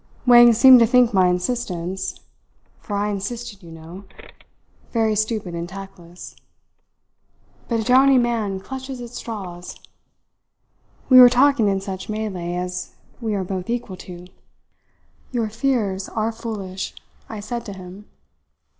Wang seemed to think my insistence for I insisted, you know very stupid and tactless. But a drowning man clutches at straws. We were talking in such Malay as we are both equal to. "'Your fears are foolish,' I said to him.